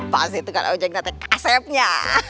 pasti itu kan ojek natek asepnya